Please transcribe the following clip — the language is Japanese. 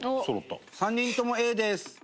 伊達：３人ともＡです。